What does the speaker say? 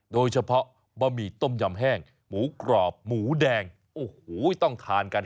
บะหมี่ต้มยำแห้งหมูกรอบหมูแดงโอ้โหต้องทานกัน